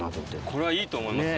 これはいいと思います。